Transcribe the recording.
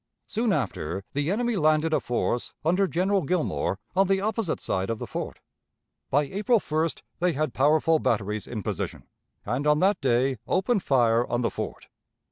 Soon after, the enemy landed a force, under General Gillmore, on the opposite side of the fort. By April 1st they had powerful batteries in position, and on that day opened fire on the fort.